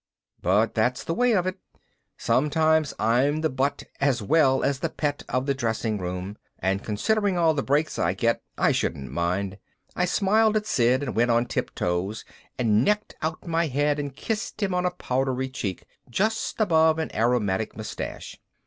_ But that's the way it is. Sometimes I'm the butt as well as the pet of the dressing room, and considering all the breaks I get I shouldn't mind. I smiled at Sid and went on tiptoes and necked out my head and kissed him on a powdery cheek just above an aromatic mustache.